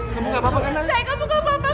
kamu gak apa apa kan mas